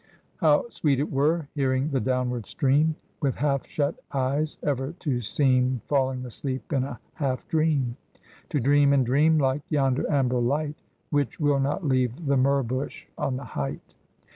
" How sweet it were, hearing the downward stream, With half shut eyes ever to seem Falling asleep in a half dream ! To dream and dream, like yonder amber light, Which will not leave the myrrh bush on the height."